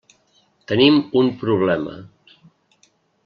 Tenim un problema.